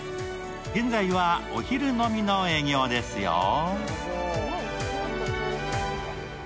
現在はお昼のみの営業ですよ。